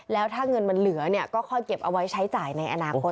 แล้วถ้าเงินมันเหลือเนี่ยก็ค่อยเก็บเอาไว้ใช้จ่ายในอนาคต